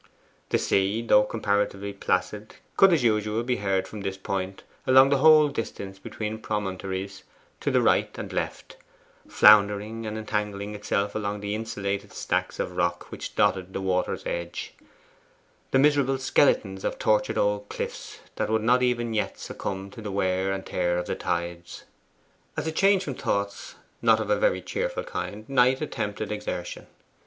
The sea, though comparatively placid, could as usual be heard from this point along the whole distance between promontories to the right and left, floundering and entangling itself among the insulated stacks of rock which dotted the water's edge the miserable skeletons of tortured old cliffs that would not even yet succumb to the wear and tear of the tides. As a change from thoughts not of a very cheerful kind, Knight attempted exertion.